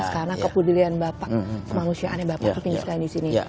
karena kebuddhian bapak kemanusiaannya bapak itu tinggal di sini